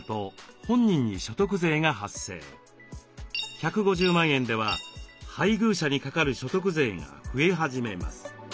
１５０万円では配偶者にかかる所得税が増え始めます。